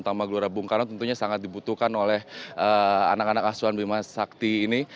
utama gelora bung karno tentunya sangat dibutuhkan oleh anak anak asuhan bima sakti ini